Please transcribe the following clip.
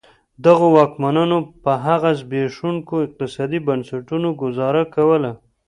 دغو واکمنانو په هغه زبېښونکو اقتصادي بنسټونو ګوزاره کوله.